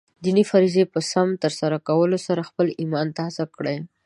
د دیني فریضو په سم ترسره کولو سره خپله ایمان تازه کړئ.